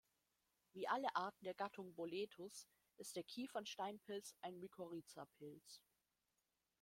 Wie alle Arten der Gattung Boletus ist der Kiefern-Steinpilz ein Mykorrhiza-Pilz.